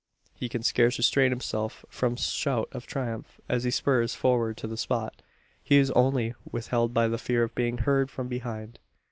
He can scarce restrain himself from shout of triumph, as he spurs forward to the spot. He is only withheld by the fear of being heard from behind.